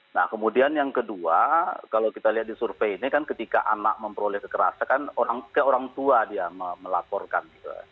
nah kemudian yang kedua kalau kita lihat di survei ini kan ketika anak memperoleh kekerasakan ke orangtua dia melaporkan